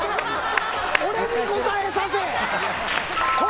俺に答えさせ！